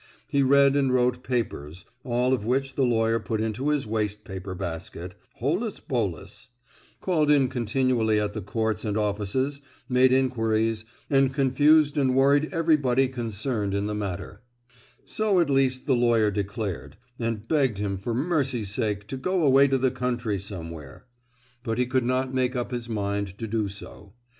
He read and wrote papers—all of which the lawyer put into his waste paper basket—holus bolus; called in continually at the courts and offices, made inquiries, and confused and worried everybody concerned in the matter; so at least the lawyer declared, and begged him for mercy's sake to go away to the country somewhere. But he could not make up his mind to do so.